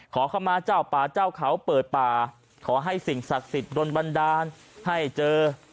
ขอเข้ามาเจ้าป่าเจ้าเขาเปิดป่าขอให้สิ่งศักดิ์สิทธิ์โดนบันดาลให้เจอ